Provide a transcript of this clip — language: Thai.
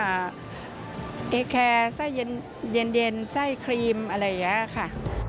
เอแคร์ไส้เย็นไส้ครีมอะไรอย่างนี้ค่ะ